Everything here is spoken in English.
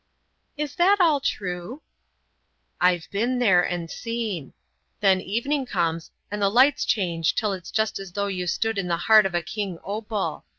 "Is that all true?" "I have been there and seen. Then evening comes, and the lights change till it's just as though you stood in the heart of a king opal.